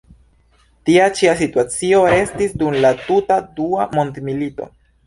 Tia ĉi situacio restis dum la tuta dua mondmilito.